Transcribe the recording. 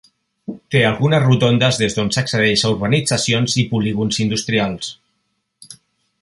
Té algunes rotondes des d'on s'accedeix a urbanitzacions i polígons industrials.